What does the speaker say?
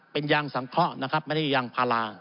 เป็นยางสังเคราะห์นะครับ